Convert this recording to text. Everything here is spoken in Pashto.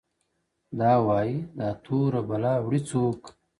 دا وايي دا توره بلا وړي څوك،